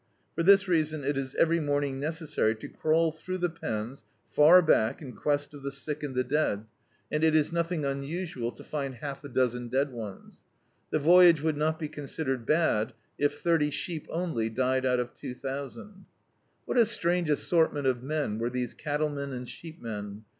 For this reason it is every morning necessary to crawl through the pens, far back, in quest of the sick and the dead, D,i.,.db, Google The Cattleman's Office and it is nothing unusual to find half a dozen dead ones. The voyage would not be considered bad if thirty sheep cxily died out of two thousand. What a strange assortment of men were these cattlemen and sheepmen.